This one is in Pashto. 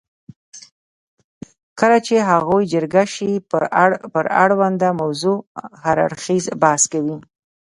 کله چې هغوی جرګه شي پر اړونده موضوع هر اړخیز بحث کوي.